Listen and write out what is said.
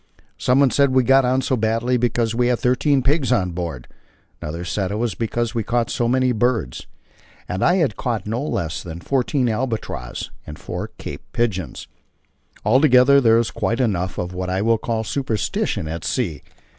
Somebody said we got on so badly because we had thirteen pigs on board; another said it was because we caught so many birds, and I had caught no less than fourteen albatrosses and four Cape pigeons. Altogether there is quite enough of what I will call superstition at sea.